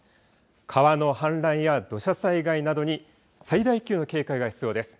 川の氾濫や土砂災害などに最大級の警戒が必要です。